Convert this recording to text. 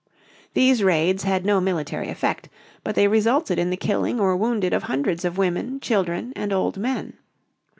These raids had no military effect, but they resulted in the killing or wounding of hundreds of women, children, and old men.